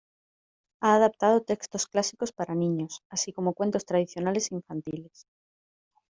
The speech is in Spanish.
Ha adaptado textos clásicos para niños, así como cuentos tradicionales infantiles.